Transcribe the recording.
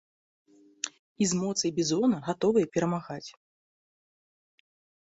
І з моцай бізона гатовыя перамагаць!